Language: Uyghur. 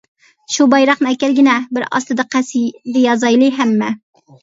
شۇ بايراقنى ئەكەلگىنە بىر ئاستىدا قەسىدە يازايلى ھەممە.